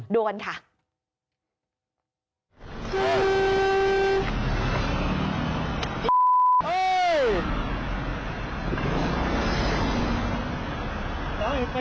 ดูกันค่ะ